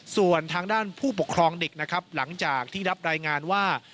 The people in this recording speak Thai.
ส่วนทางด้านผู้ปกครองเด็กนะครับหลังจากที่รับรายงานว่า